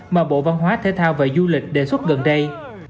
mà bộ văn hóa thể thao và du lịch đề xuất gần đây